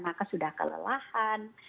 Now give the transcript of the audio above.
maka sudah kelelahan